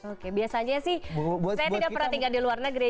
oke biasanya sih saya tidak pernah tinggal di luar negeri